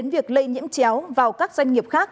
dẫn đến việc lây nhiễm chéo vào các doanh nghiệp khác